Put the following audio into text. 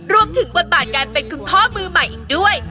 รวมถึงบทบาทการเป็นคุณพ่อมือใหม่อีกด้วย